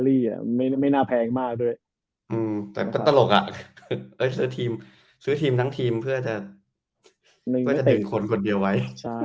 ีทิมทั้งทีมเพื่อจะดื่มคนคนเดียวไว้